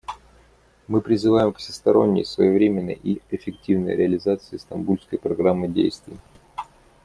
Мы призываем к всесторонней, своевременной и эффективной реализации Стамбульской программы действий.